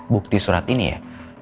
bukti surat ini ya